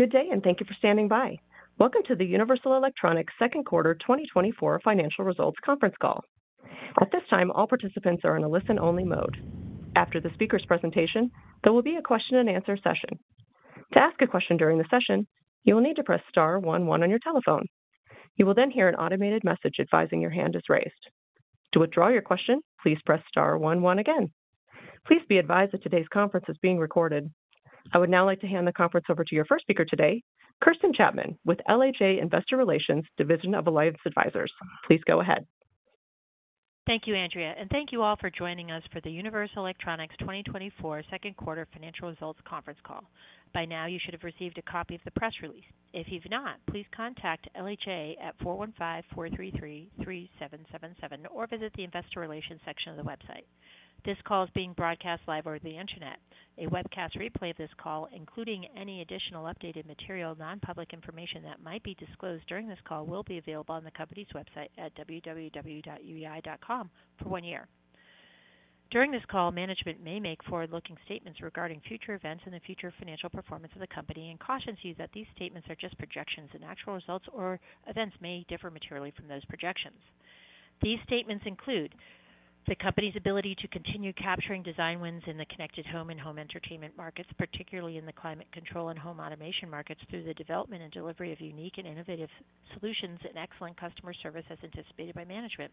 Good day, and thank you for standing by. Welcome to the Universal Electronics Second Quarter 2024 Financial Results conference call. At this time, all participants are in a listen-only mode. After the speaker's presentation, there will be a question and answer session. To ask a question during the session, you will need to press star one one on your telephone. You will then hear an automated message advising your hand is raised. To withdraw your question, please press star one one again. Please be advised that today's conference is being recorded. I would now like to hand the conference over to your first speaker today, Kirsten Chapman with LHA Investor Relations, division of Alliance Advisors. Please go ahead. Thank you, Andrea, and thank you all for joining us for the Universal Electronics 2024 second quarter financial results conference call. By now, you should have received a copy of the press release. If you've not, please contact LHA at 415-433-3777, or visit the investor relations section of the website. This call is being broadcast live over the Internet. A webcast replay of this call, including any additional updated material, non-public information that might be disclosed during this call, will be available on the company's website at www.uei.com for 1 year. During this call, management may make forward-looking statements regarding future events and the future financial performance of the company and cautions you that these statements are just projections, and actual results or events may differ materially from those projections. These statements include the company's ability to continue capturing design wins in the connected home and home entertainment markets, particularly in the climate control and home automation markets, through the development and delivery of unique and innovative solutions and excellent customer service as anticipated by management.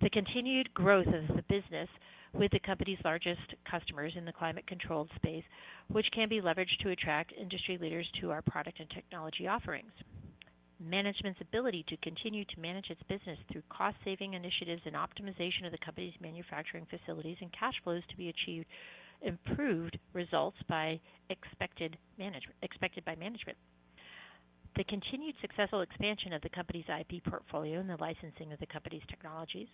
The continued growth of the business with the company's largest customers in the climate control space, which can be leveraged to attract industry leaders to our product and technology offerings. Management's ability to continue to manage its business through cost-saving initiatives and optimization of the company's manufacturing facilities and cash flows to achieve improved results expected by management. The continued successful expansion of the company's IP portfolio and the licensing of the company's technologies.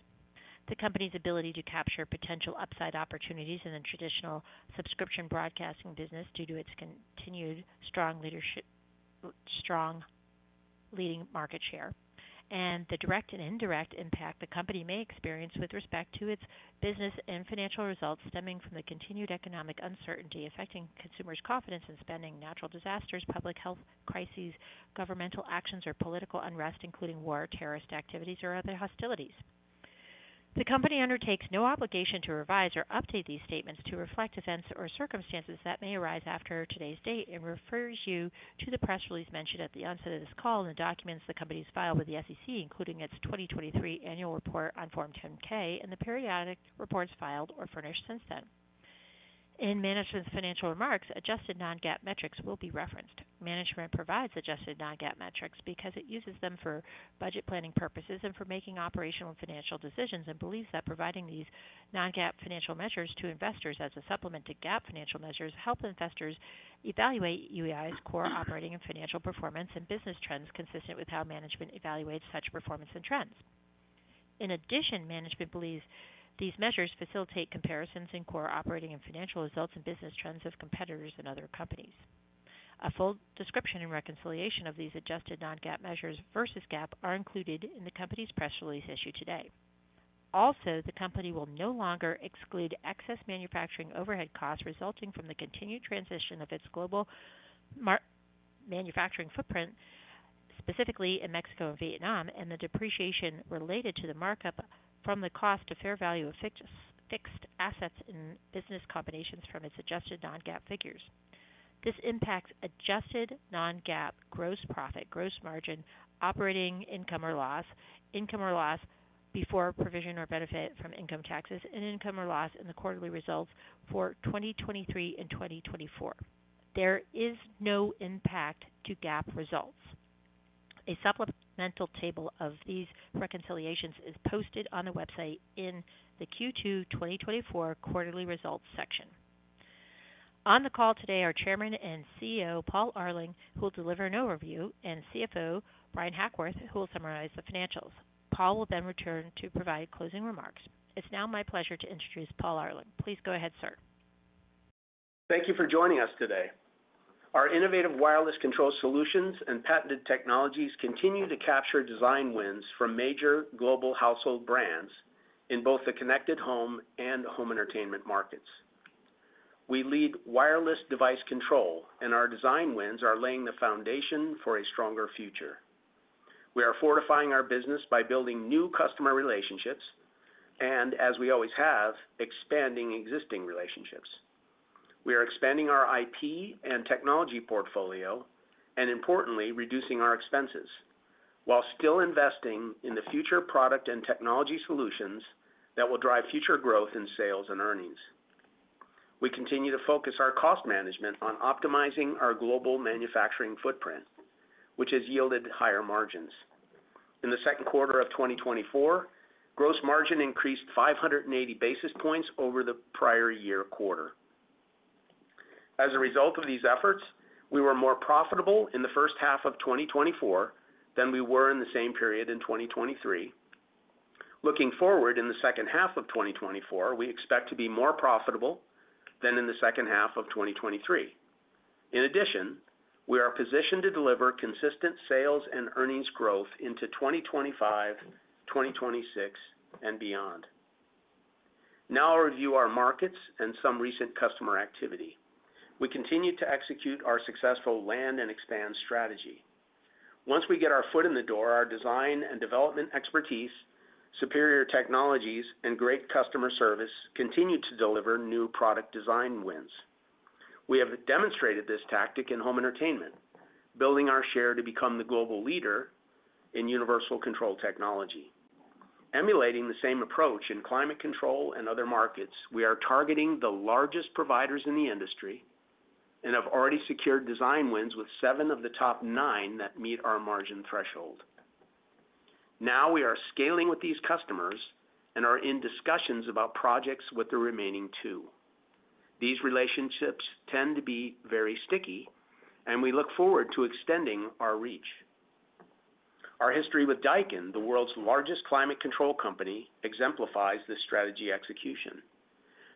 The company's ability to capture potential upside opportunities in the traditional subscription broadcasting business due to its continued strong leadership, strong leading market share. The direct and indirect impact the company may experience with respect to its business and financial results stemming from the continued economic uncertainty affecting consumers' confidence in spending, natural disasters, public health crises, governmental actions, or political unrest, including war, terrorist activities, or other hostilities. The company undertakes no obligation to revise or update these statements to reflect events or circumstances that may arise after today's date and refers you to the press release mentioned at the onset of this call and the documents the company has filed with the SEC, including its 2023 Annual Report on Form 10-K and the periodic reports filed or furnished since then. In management's financial remarks, Adjusted Non-GAAP metrics will be referenced. Management provides adjusted non-GAAP metrics because it uses them for budget planning purposes and for making operational and financial decisions, and believes that providing these non-GAAP financial measures to investors as a supplement to GAAP financial measures help investors evaluate UEI's core operating and financial performance and business trends consistent with how management evaluates such performance and trends. In addition, management believes these measures facilitate comparisons in core operating and financial results and business trends of competitors and other companies. A full description and reconciliation of these adjusted non-GAAP measures versus GAAP are included in the company's press release issued today. Also, the company will no longer exclude excess manufacturing overhead costs resulting from the continued transition of its global manufacturing footprint, specifically in Mexico and Vietnam, and the depreciation related to the markup from the cost to fair value of fixed assets in business combinations from its adjusted non-GAAP figures. This impacts adjusted non-GAAP gross profit, gross margin, operating income or loss, income or loss before provision or benefit from income taxes, and income or loss in the quarterly results for 2023 and 2024. There is no impact to GAAP results. A supplemental table of these reconciliations is posted on the website in the Q2 2024 quarterly results section. On the call today are Chairman and CEO Paul Arling, who will deliver an overview, and CFO Bryan Hackworth, who will summarize the financials. Paul will then return to provide closing remarks. It's now my pleasure to introduce Paul Arling. Please go ahead, sir. Thank you for joining us today. Our innovative wireless control solutions and patented technologies continue to capture design wins from major global household brands in both the connected home and home entertainment markets. We lead wireless device control, and our design wins are laying the foundation for a stronger future. We are fortifying our business by building new customer relationships, and as we always have, expanding existing relationships. We are expanding our IP and technology portfolio and importantly, reducing our expenses while still investing in the future product and technology solutions that will drive future growth in sales and earnings. We continue to focus our cost management on optimizing our global manufacturing footprint, which has yielded higher margins. In the second quarter of 2024, gross margin increased 580 basis points over the prior year quarter. As a result of these efforts, we were more profitable in the first half of 2024 than we were in the same period in 2023. Looking forward, in the second half of 2024, we expect to be more profitable than in the second half of 2023. In addition, we are positioned to deliver consistent sales and earnings growth into 2025, 2026, and beyond.... Now I'll review our markets and some recent customer activity. We continue to execute our successful land and expand strategy. Once we get our foot in the door, our design and development expertise, superior technologies, and great customer service continue to deliver new product design wins. We have demonstrated this tactic in home entertainment, building our share to become the global leader in universal control technology. Emulating the same approach in climate control and other markets, we are targeting the largest providers in the industry and have already secured design wins with 7 of the top 9 that meet our margin threshold. Now we are scaling with these customers and are in discussions about projects with the remaining 2. These relationships tend to be very sticky, and we look forward to extending our reach. Our history with Daikin, the world's largest climate control company, exemplifies this strategy execution.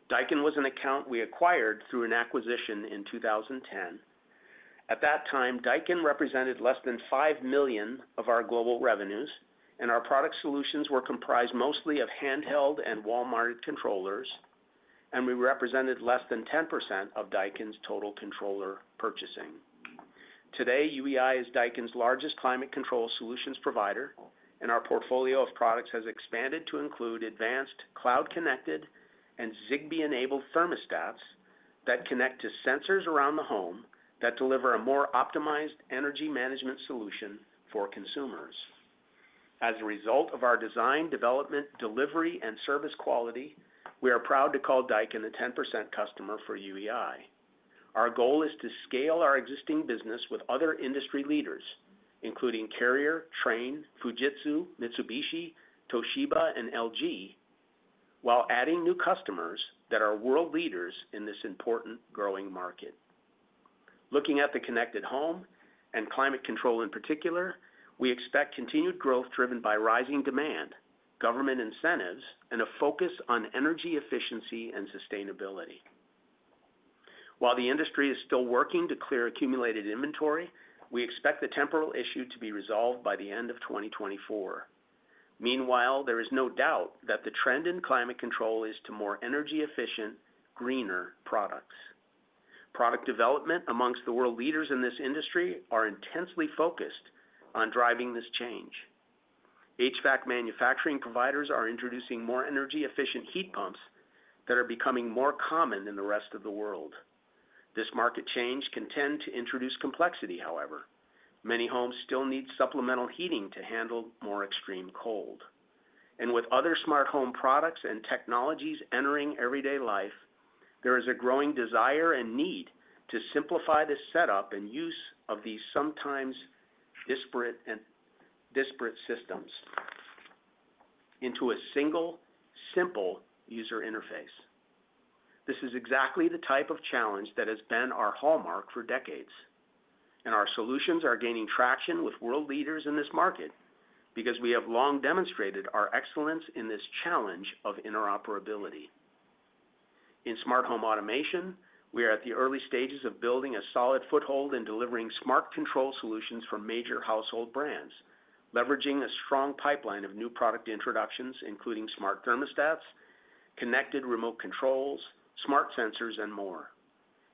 Daikin was an account we acquired through an acquisition in 2010. At that time, Daikin represented less than $5 million of our global revenues, and our product solutions were comprised mostly of handheld and wall-mounted controllers, and we represented less than 10% of Daikin's total controller purchasing. Today, UEI is Daikin's largest climate control solutions provider, and our portfolio of products has expanded to include advanced cloud-connected and Zigbee-enabled thermostats that connect to sensors around the home that deliver a more optimized energy management solution for consumers. As a result of our design, development, delivery, and service quality, we are proud to call Daikin a 10% customer for UEI. Our goal is to scale our existing business with other industry leaders, including Carrier, Trane, Fujitsu, Mitsubishi, Toshiba, and LG, while adding new customers that are world leaders in this important growing market. Looking at the connected home and climate control in particular, we expect continued growth driven by rising demand, government incentives, and a focus on energy efficiency and sustainability. While the industry is still working to clear accumulated inventory, we expect the temporal issue to be resolved by the end of 2024. Meanwhile, there is no doubt that the trend in climate control is to more energy efficient, greener products. Product development amongst the world leaders in this industry are intensely focused on driving this change. HVAC manufacturing providers are introducing more energy-efficient heat pumps that are becoming more common in the rest of the world. This market change can tend to introduce complexity, however. Many homes still need supplemental heating to handle more extreme cold. And with other smart home products and technologies entering everyday life, there is a growing desire and need to simplify the setup and use of these sometimes disparate systems into a single, simple user interface. This is exactly the type of challenge that has been our hallmark for decades, and our solutions are gaining traction with world leaders in this market because we have long demonstrated our excellence in this challenge of interoperability. In smart home automation, we are at the early stages of building a solid foothold in delivering smart control solutions for major household brands, leveraging a strong pipeline of new product introductions, including smart thermostats, connected remote controls, smart sensors, and more.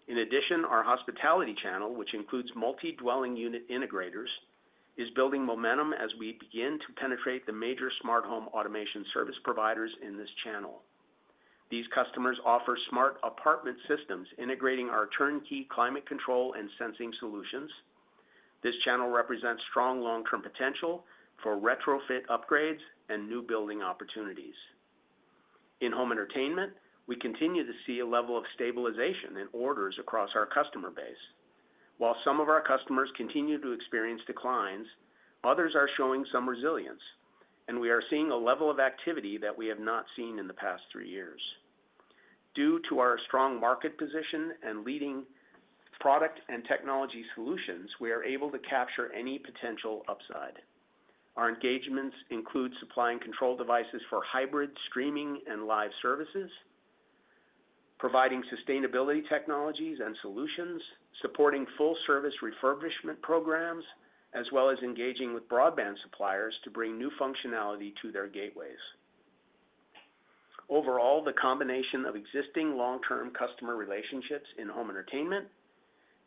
In addition, our hospitality channel, which includes multi-dwelling unit integrators, is building momentum as we begin to penetrate the major smart home automation service providers in this channel. These customers offer smart apartment systems, integrating our turnkey climate control and sensing solutions. This channel represents strong long-term potential for retrofit upgrades and new building opportunities. In home entertainment, we continue to see a level of stabilization in orders across our customer base. While some of our customers continue to experience declines, others are showing some resilience, and we are seeing a level of activity that we have not seen in the past three years. Due to our strong market position and leading product and technology solutions, we are able to capture any potential upside. Our engagements include supplying control devices for hybrid streaming and live services, providing sustainability technologies and solutions, supporting full-service refurbishment programs, as well as engaging with broadband suppliers to bring new functionality to their gateways. Overall, the combination of existing long-term customer relationships in home entertainment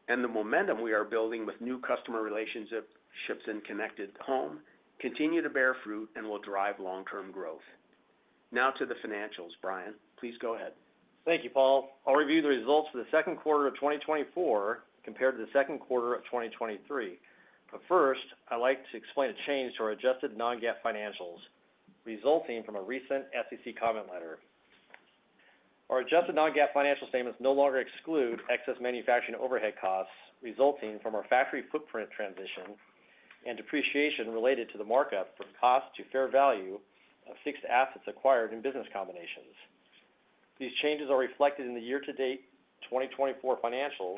and the momentum we are building with new customer relationships in connected home continue to bear fruit and will drive long-term growth. Now to the financials. Bryan, please go ahead. Thank you, Paul. I'll review the results for the second quarter of 2024 compared to the second quarter of 2023. But first, I'd like to explain a change to our adjusted Non-GAAP financials resulting from a recent SEC comment letter. Our adjusted Non-GAAP financial statements no longer exclude excess manufacturing overhead costs resulting from our factory footprint transition and depreciation related to the markup from cost to fair value of fixed assets acquired in business combinations. These changes are reflected in the year-to-date 2024 financials,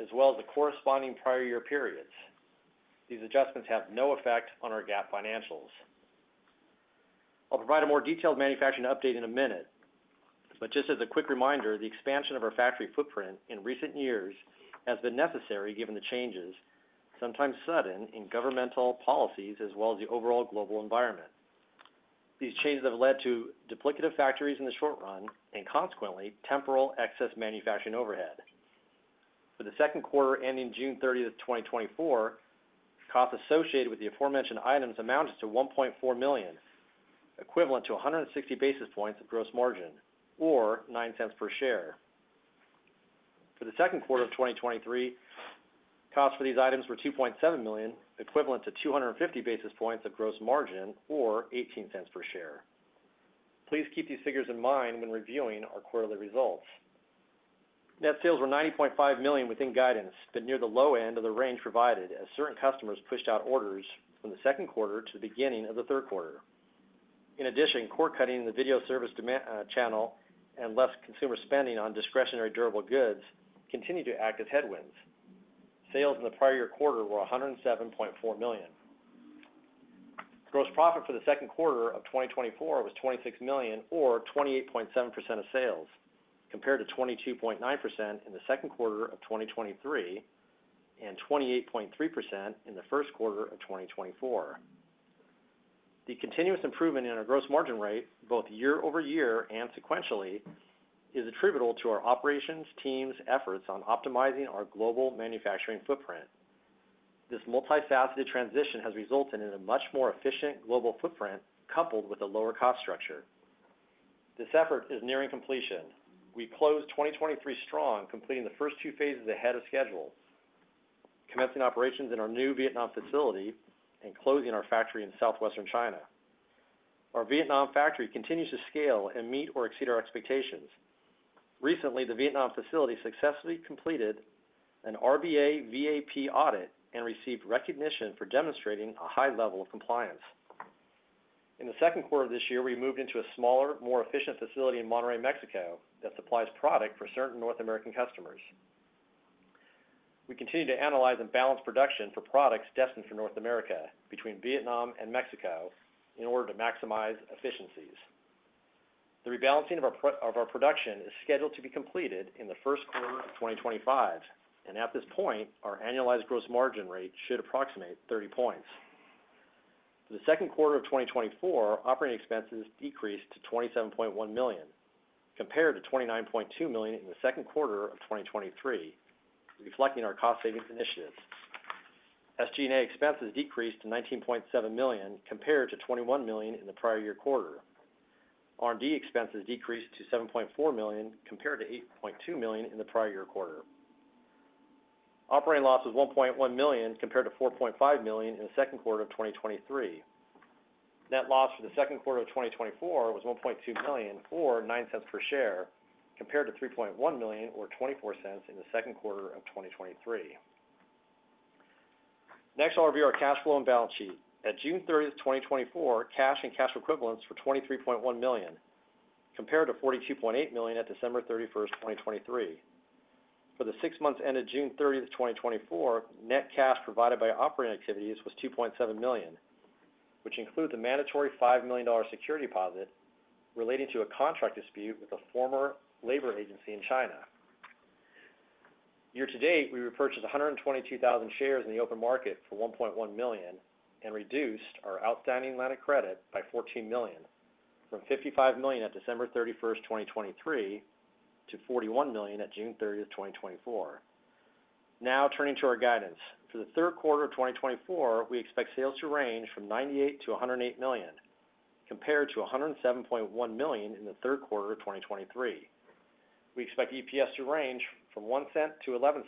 as well as the corresponding prior year periods. These adjustments have no effect on our GAAP financials. I'll provide a more detailed manufacturing update in a minute, but just as a quick reminder, the expansion of our factory footprint in recent years has been necessary given the changes sometimes sudden in governmental policies as well as the overall global environment. These changes have led to duplicative factories in the short run and consequently, temporal excess manufacturing overhead. For the second quarter, ending June 30, 2024, costs associated with the aforementioned items amounted to $1.4 million, equivalent to 160 basis points of gross margin, or $0.09 per share. For the second quarter of 2023, costs for these items were $2.7 million, equivalent to 250 basis points of gross margin, or $0.18 per share. Please keep these figures in mind when reviewing our quarterly results. Net sales were $90.5 million within guidance, but near the low end of the range provided, as certain customers pushed out orders from the second quarter to the beginning of the third quarter. In addition, cord-cutting in the video service demand channel and less consumer spending on discretionary durable goods continued to act as headwinds. Sales in the prior year quarter were $107.4 million. Gross profit for the second quarter of 2024 was $26 million or 28.7% of sales, compared to 22.9% in the second quarter of 2023, and 28.3% in the first quarter of 2024. The continuous improvement in our gross margin rate, both year-over-year and sequentially, is attributable to our operations team's efforts on optimizing our global manufacturing footprint. This multifaceted transition has resulted in a much more efficient global footprint, coupled with a lower cost structure. This effort is nearing completion. We closed 2023 strong, completing the first two phases ahead of schedule, commencing operations in our new Vietnam facility and closing our factory in southwestern China. Our Vietnam factory continues to scale and meet or exceed our expectations. Recently, the Vietnam facility successfully completed an RBA VAP audit and received recognition for demonstrating a high level of compliance. In the second quarter of this year, we moved into a smaller, more efficient facility in Monterrey, Mexico, that supplies product for certain North American customers. We continue to analyze and balance production for products destined for North America between Vietnam and Mexico in order to maximize efficiencies. The rebalancing of our production is scheduled to be completed in the first quarter of 2025, and at this point, our annualized gross margin rate should approximate 30 points. For the second quarter of 2024, operating expenses decreased to $27.1 million, compared to $29.2 million in the second quarter of 2023, reflecting our cost savings initiatives. SG&A expenses decreased to $19.7 million, compared to $21 million in the prior year quarter. R&D expenses decreased to $7.4 million, compared to $8.2 million in the prior year quarter. Operating loss was $1.1 million, compared to $4.5 million in the second quarter of 2023. Net loss for the second quarter of 2024 was $1.2 million, or $0.09 per share, compared to $3.1 million or $0.24 in the second quarter of 2023. Next, I'll review our cash flow and balance sheet. At June 30, 2024, cash and cash equivalents were $23.1 million, compared to $42.8 million at December 31, 2023. For the six months ended June 30, 2024, net cash provided by operating activities was $2.7 million, which includes a mandatory $5 million security deposit relating to a contract dispute with a former labor agency in China. Year to date, we repurchased 122,000 shares in the open market for $1.1 million, and reduced our outstanding line of credit by $14 million, from $55 million at December 31, 2023, to $41 million at June 30, 2024. Now, turning to our guidance. For the third quarter of 2024, we expect sales to range from $98 million to $108 million, compared to $107.1 million in the third quarter of 2023. We expect EPS to range from $0.01 to $0.11,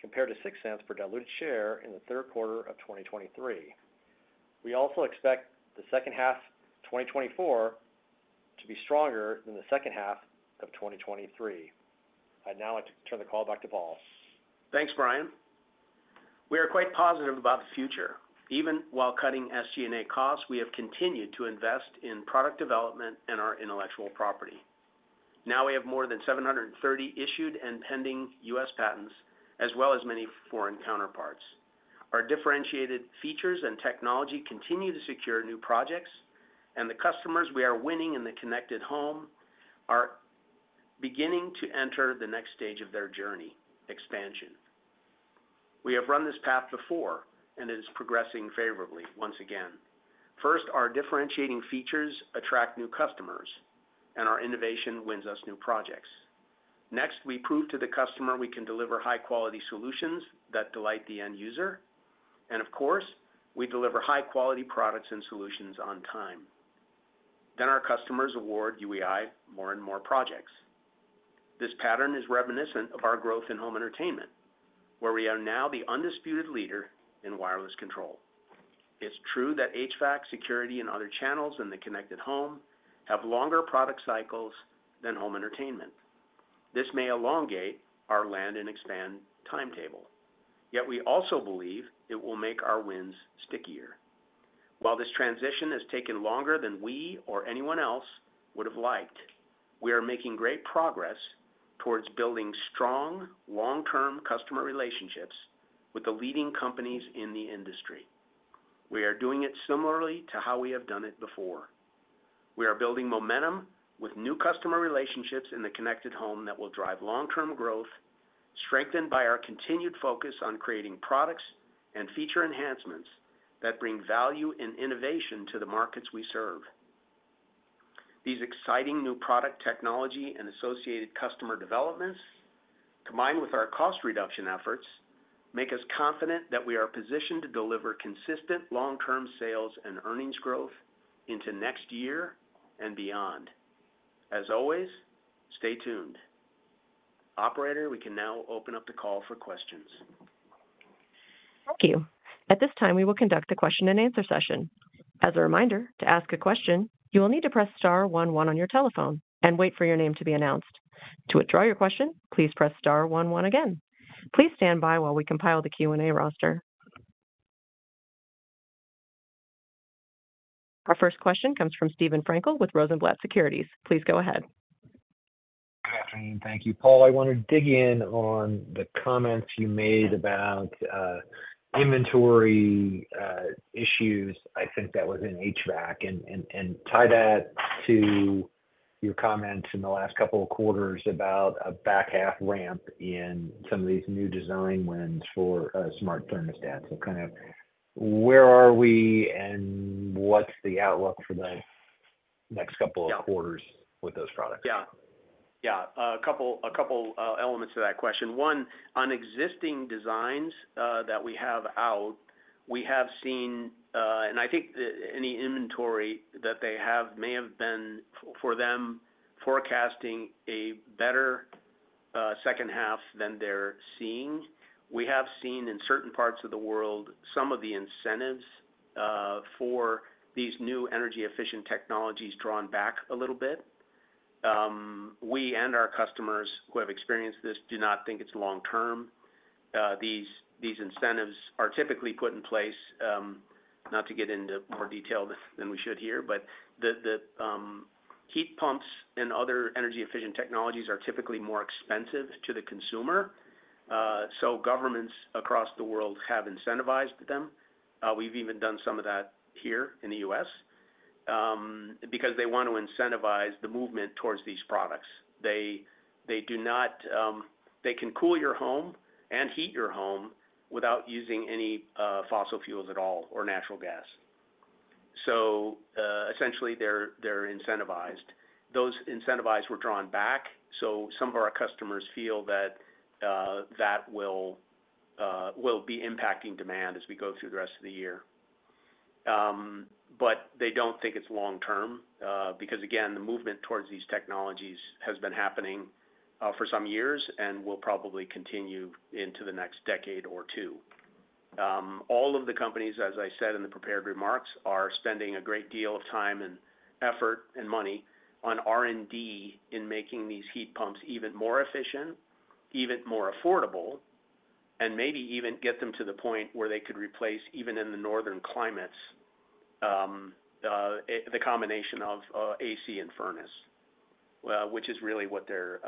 compared to $0.06 per diluted share in the third quarter of 2023. We also expect the second half of 2024 to be stronger than the second half of 2023. I'd now like to turn the call back to Paul. Thanks, Bryan. We are quite positive about the future. Even while cutting SG&A costs, we have continued to invest in product development and our intellectual property. Now, we have more than 730 issued and pending U.S. patents, as well as many foreign counterparts. Our differentiated features and technology continue to secure new projects, and the customers we are winning in the connected home are beginning to enter the next stage of their journey: expansion. We have run this path before, and it is progressing favorably once again. First, our differentiating features attract new customers, and our innovation wins us new projects. Next, we prove to the customer we can deliver high-quality solutions that delight the end user, and of course, we deliver high-quality products and solutions on time. Then, our customers award UEI more and more projects. This pattern is reminiscent of our growth in home entertainment, where we are now the undisputed leader in wireless control. It's true that HVAC, security, and other channels in the connected home have longer product cycles than home entertainment. This may elongate our land and expand timetable, yet we also believe it will make our wins stickier. While this transition has taken longer than we or anyone else would have liked, we are making great progress towards building strong, long-term customer relationships with the leading companies in the industry. We are doing it similarly to how we have done it before. We are building momentum with new customer relationships in the connected home that will drive long-term growth, strengthened by our continued focus on creating products and feature enhancements that bring value and innovation to the markets we serve. These exciting new product technology and associated customer developments, combined with our cost reduction efforts, make us confident that we are positioned to deliver consistent long-term sales and earnings growth into next year and beyond. As always, stay tuned. Operator, we can now open up the call for questions. Thank you. At this time, we will conduct a question and answer session. As a reminder, to ask a question, you will need to press star one, one on your telephone and wait for your name to be announced. To withdraw your question, please press star one, one again. Please stand by while we compile the Q&A roster. Our first question comes from Steven Frankel with Rosenblatt Securities. Please go ahead. Good afternoon. Thank you, Paul. I want to dig in on the comments you made about, inventory, issues. I think that was in HVAC, and tie that to your comments in the last couple of quarters about a back half ramp in some of these new design wins for, smart thermostats. So kind of where are we, and what's the outlook for the next couple of quarters with those products? Yeah. Yeah, a couple elements to that question. One, on existing designs that we have out, we have seen, and I think any inventory that they have may have been, for them, forecasting a better second half than they're seeing. We have seen in certain parts of the world, some of the incentives for these new energy-efficient technologies drawn back a little bit. We and our customers who have experienced this do not think it's long term. These incentives are typically put in place, not to get into more detail than we should here, but the heat pumps and other energy-efficient technologies are typically more expensive to the consumer. So governments across the world have incentivized them. We've even done some of that here in the U.S., because they want to incentivize the movement towards these products. They do not. They can cool your home and heat your home without using any fossil fuels at all, or natural gas. So, essentially, they're incentivized. Those incentives were drawn back, so some of our customers feel that that will be impacting demand as we go through the rest of the year. But they don't think it's long term, because, again, the movement towards these technologies has been happening for some years and will probably continue into the next decade or two. All of the companies, as I said in the prepared remarks, are spending a great deal of time and effort and money on R&D in making these heat pumps even more efficient, even more affordable, and maybe even get them to the point where they could replace, even in the northern climates, the combination of AC and furnace, which is really what they're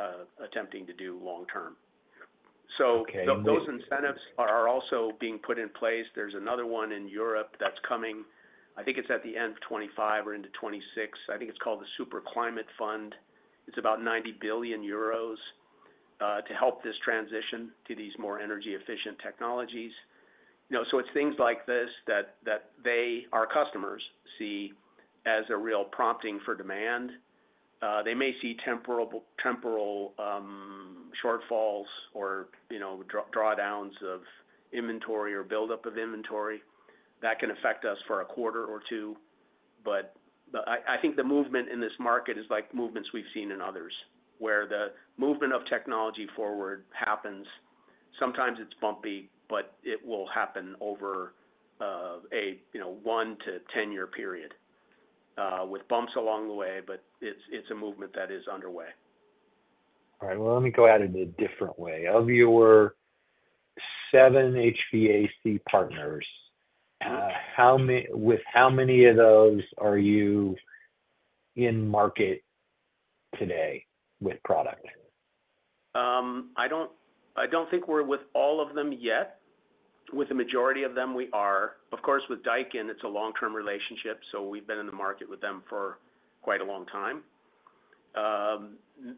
attempting to do long term. Okay. So those incentives are also being put in place. There's another one in Europe that's coming. I think it's at the end of 2025 or into 2026. I think it's called the Super Climate Fund. It's about 90 billion euros to help this transition to these more energy-efficient technologies. You know, so it's things like this that they, our customers, see as a real prompting for demand. They may see temporal shortfalls or, you know, drawdowns of inventory or buildup of inventory. That can affect us for a quarter or two, but the, I think the movement in this market is like movements we've seen in others, where the movement of technology forward happens. Sometimes it's bumpy, but it will happen over, you know, 1 to 10-year period, with bumps along the way, but it's, it's a movement that is underway. All right, well, let me go at it a different way. Of your seven HVAC partners, how many, with how many of those are you in market today with product? I don't think we're with all of them yet. With the majority of them, we are. Of course, with Daikin, it's a long-term relationship, so we've been in the market with them for quite a long time.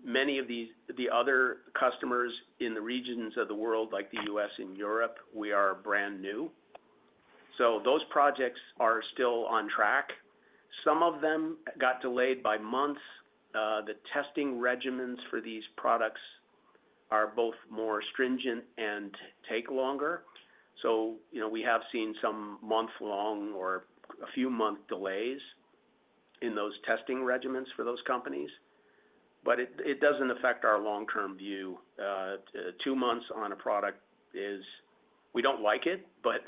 Many of the other customers in the regions of the world, like the U.S. and Europe, we are brand new. So those projects are still on track. Some of them got delayed by months. The testing regimens for these products are both more stringent and take longer. So, you know, we have seen some month-long or a few month delays in those testing regimens for those companies, but it doesn't affect our long-term view. Two months on a product is, we don't like it, but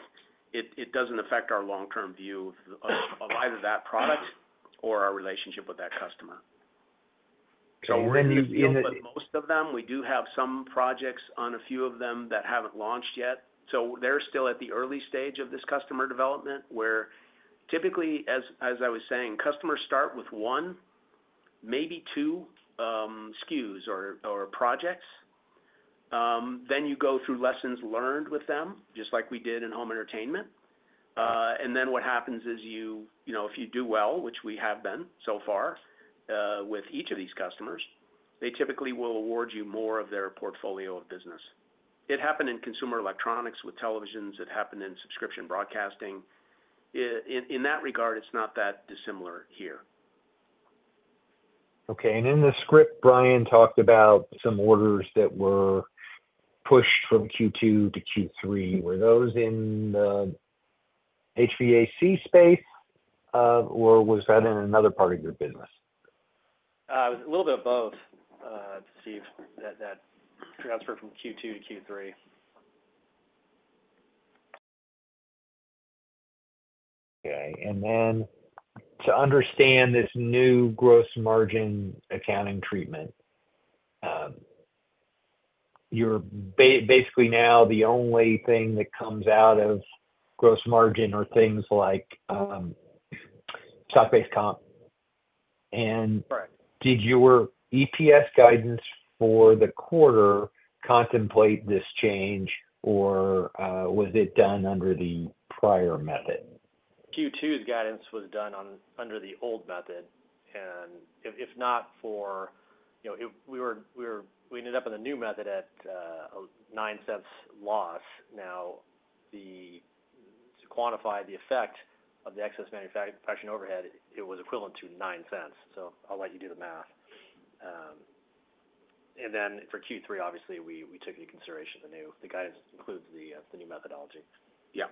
it doesn't affect our long-term view of either that product or our relationship with that customer. So when the- We're in the field with most of them. We do have some projects on a few of them that haven't launched yet, so they're still at the early stage of this customer development, where typically, as, as I was saying, customers start with one, maybe two, SKUs or, or projects. Then you go through lessons learned with them, just like we did in home entertainment. And then what happens is you, you know, if you do well, which we have been so far, with each of these customers, they typically will award you more of their portfolio of business. It happened in consumer electronics with televisions. It happened in subscription broadcasting. In, in that regard, it's not that dissimilar here. Okay. And in the script, Bryan talked about some orders that were pushed from Q2 to Q3. Were those in the HVAC space, or was that in another part of your business? It was a little bit of both, Steve, that transferred from Q2 to Q3. Okay. And then to understand this new gross margin accounting treatment, you're basically now, the only thing that comes out of gross margin are things like, stock-based comp. And- Right. Did your EPS guidance for the quarter contemplate this change, or, was it done under the prior method? Q2's guidance was done under the old method, and if not for... You know, it—we were—we ended up in the new method at $0.09 loss. Now, to quantify the effect of the excess manufacturing overhead, it was equivalent to $0.09, so I'll let you do the math. And then for Q3, obviously, we took into consideration the new. The guidance includes the new methodology. Yeah.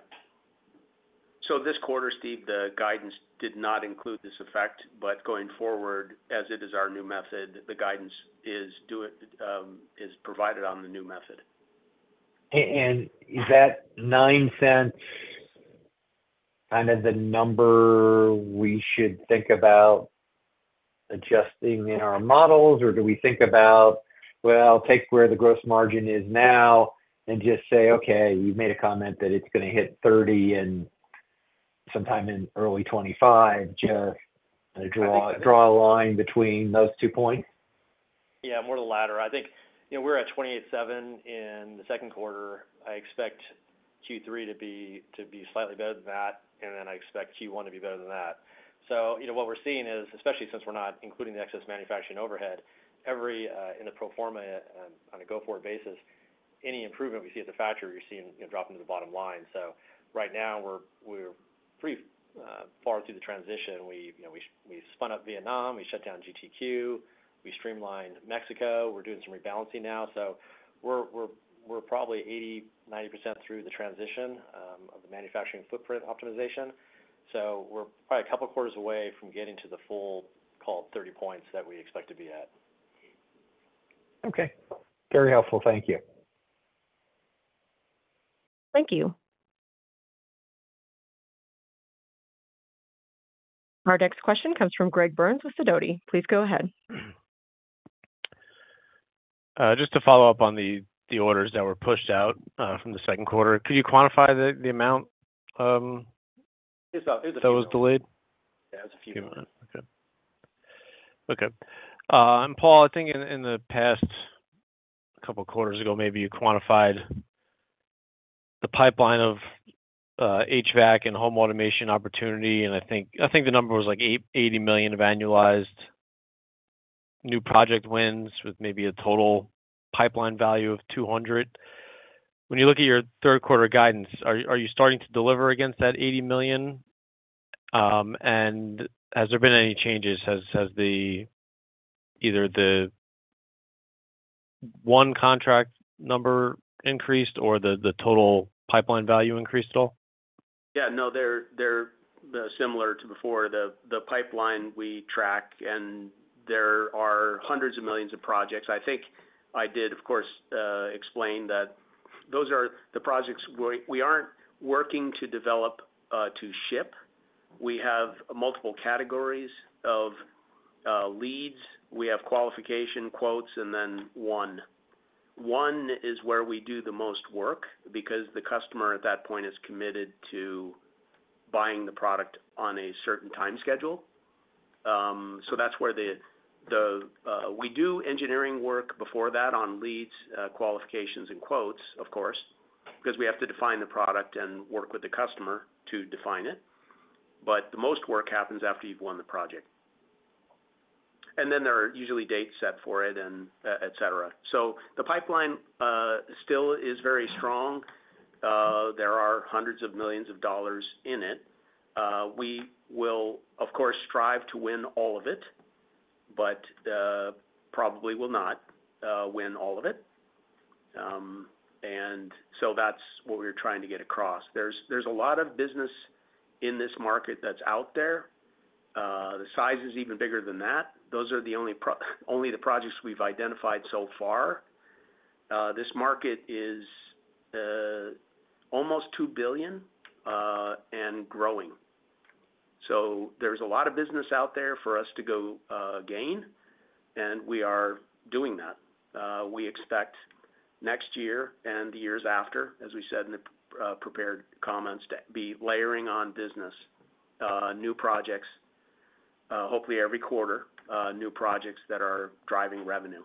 So this quarter, Steve, the guidance did not include this effect, but going forward, as it is our new method, the guidance is due to it, is provided on the new method. and is that $0.09 kind of the number we should think about adjusting in our models, or do we think about, well, take where the gross margin is now and just say, "Okay, you made a comment that it's gonna hit 30%, and sometime in early 2025," just, draw a line between those two points? Yeah, more the latter. I think, you know, we're at 28.7 in the second quarter. I expect Q3 to be slightly better than that, and then I expect Q1 to be better than that. So, you know, what we're seeing is, especially since we're not including the excess manufacturing overhead, every in the pro forma, on a go-forward basis, any improvement we see at the factory, we're seeing, you know, drop into the bottom line. So right now we're pretty far through the transition. We, you know, we've spun up Vietnam, we shut down GTQ, we streamlined Mexico. We're doing some rebalancing now, so we're probably 80% to 90% through the transition of the manufacturing footprint optimization. We're probably a couple quarters away from getting to the full, call it, 30 points that we expect to be at. Okay. Very helpful. Thank you. Thank you. Our next question comes from Greg Burns with Sidoti. Please go ahead. Just to follow up on the orders that were pushed out from the second quarter. Could you quantify the amount? Yes, I'll do- That was delayed? Yeah, it's a few. Okay. Okay. And Paul, I think in the past couple quarters ago, maybe you quantified the pipeline of HVAC and home automation opportunity, and I think the number was like $80 million of annualized new project wins, with maybe a total pipeline value of $200 million. When you look at your third quarter guidance, are you starting to deliver against that $80 million? And has there been any changes? Has the either the one contract number increased or the total pipeline value increased at all? Yeah, no, they're similar to before. The pipeline we track, and there are hundreds of millions of projects. I think I did, of course, explain that those are the projects we aren't working to develop to ship. We have multiple categories of leads. We have qualification quotes and then won. Won is where we do the most work, because the customer at that point is committed to buying the product on a certain time schedule. So that's where the We do engineering work before that on leads, qualifications and quotes, of course, because we have to define the product and work with the customer to define it. But the most work happens after you've won the project. And then there are usually dates set for it and et cetera. So the pipeline still is very strong. There are hundreds of millions of dollars in it. We will, of course, strive to win all of it, but probably will not win all of it. So that's what we're trying to get across. There's a lot of business in this market that's out there. The size is even bigger than that. Those are the only projects we've identified so far. This market is almost $2 billion and growing. So there's a lot of business out there for us to go gain, and we are doing that. We expect next year and the years after, as we said in the prepared comments, to be layering on business, new projects, hopefully every quarter, new projects that are driving revenue.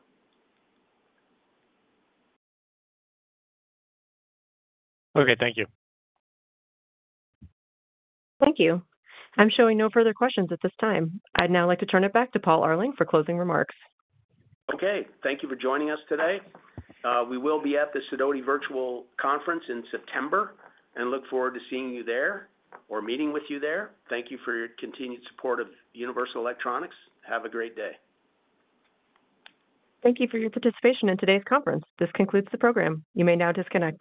Okay, thank you. Thank you. I'm showing no further questions at this time. I'd now like to turn it back to Paul Arling for closing remarks. Okay. Thank you for joining us today. We will be at the Sidoti Virtual Conference in September and look forward to seeing you there or meeting with you there. Thank you for your continued support of Universal Electronics. Have a great day. Thank you for your participation in today's conference. This concludes the program. You may now disconnect.